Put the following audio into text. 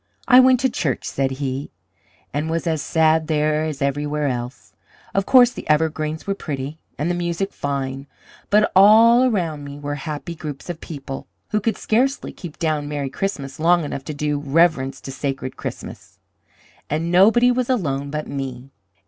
"I went to church," said he, "and was as sad there as everywhere else. Of course, the evergreens were pretty, and the music fine; but all around me were happy groups of people, who could scarcely keep down merry Christmas long enough to do reverence to sacred Christmas. And nobody was alone but me.